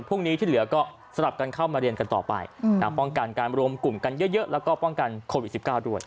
ที่เหลือก็สลับกันเข้ามาเรียนกันต่อไปป้องกันการรวมกลุ่มกันเยอะแล้วก็ป้องกันโควิด๑๙ด้วย